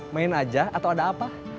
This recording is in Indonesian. main aja atau ada apa